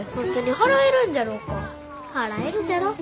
払えるじゃろ。